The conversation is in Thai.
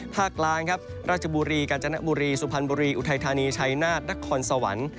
กลางครับราชบุรีกาญจนบุรีสุพรรณบุรีอุทัยธานีชัยนาฏนครสวรรค์